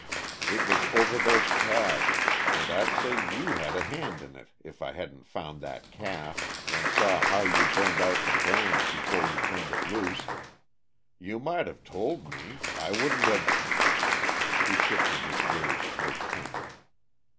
It was over those calves and I'd say you had a hand in it, if I hadn't found that calf, and saw how you burned out the brand before you turned it loose. You might have told me I wouldn't have " He shifted his gaze toward Kent.